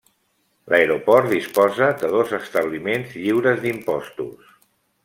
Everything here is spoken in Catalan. L'aeroport disposa de dos establiments lliures d'impostos.